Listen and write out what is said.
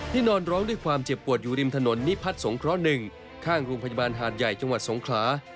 นอนร้องด้วยความเจ็บปวดอยู่ริมถนนนิพัฒน์สงเคราะห์๑ข้างโรงพยาบาลหาดใหญ่จังหวัดสงขลา